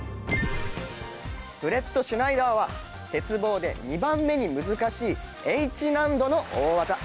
ブレットシュナイダーは鉄棒で２番目に難しいＨ難度の大技。